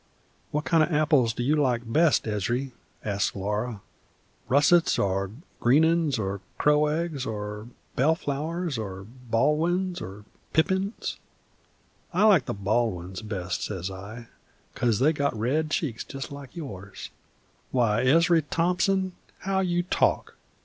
'What kind of apples do you like best, Ezry?' asks Laura, 'russets or greenin's or crow eggs or bell flowers or Baldwins or pippins?' 'I like the Baldwins best,' says I, ''coz they've got red cheeks jest like yours.' 'Why, Ezry Thompson! how you talk!'